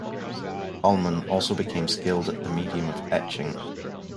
Colman also became skilled at the medium of etching.